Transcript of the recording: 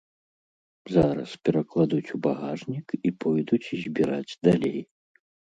Зараз перакладуць у багажнік і пойдуць збіраць далей.